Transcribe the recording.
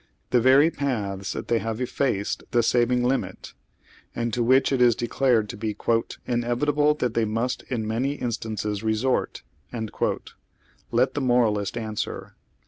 " The very paths that have effaced the saving " limit," and to which it is declared to be " in evitable that they must in many instances resort." Let the moralist answer.